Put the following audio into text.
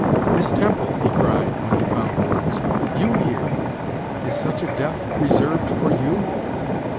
"Miss Temple!" he cried, when he found words; "you here! is such a death reserved for you!"